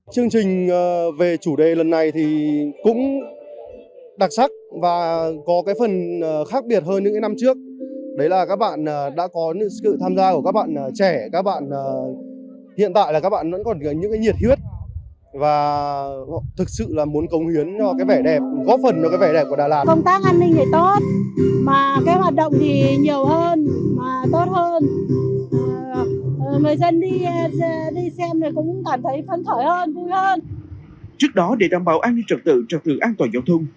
trước đó để đảm bảo an ninh trật tự trật tự an toàn giao thông